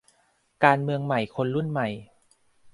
การเมืองใหม่คนรุ่นใหม่